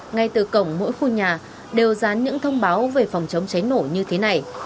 ngay từ cổng mỗi khu nhà đều dán những thông báo về phòng chống cháy nổ như thế này